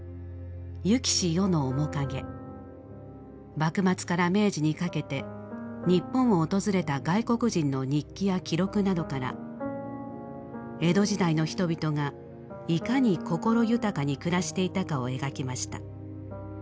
幕末から明治にかけて日本を訪れた外国人の日記や記録などから江戸時代の人々がいかに心豊かに暮らしていたかを描きました。